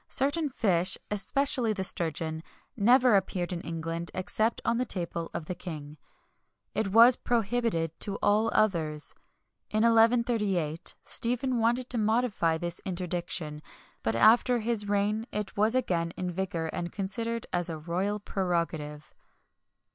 certain fish, especially the sturgeon, never appeared in England except on the table of the king: it was prohibited to all others. In 1138, Stephen wanted to modify this interdiction; but after his reign it was again in vigour, and considered as a royal prerogative.